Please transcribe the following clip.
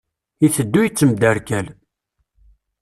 Iteddu yettemderkal.